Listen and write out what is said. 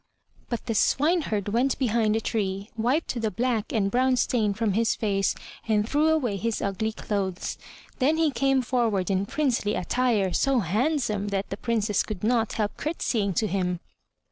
But the swineherd went behind a tree, wiped the black and brown stain from his face, and threw away his ugly clothes. Then he came forward in princely attire, so handsome that the Princess could not help curtseying to him.